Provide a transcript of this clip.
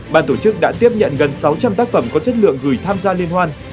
ban tổ chức đã tiếp nhận gần sáu trăm linh tác phẩm có chất lượng gửi tham gia liên hoan